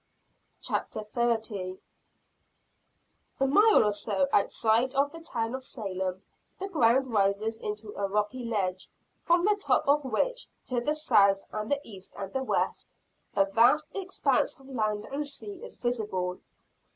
CHAPTER XXX. Eight Legal Murders on Witch Hill. A mile or so outside of the town of Salem, the ground rises into a rocky ledge, from the top of which, to the south and the east and the west, a vast expanse of land and sea is visible.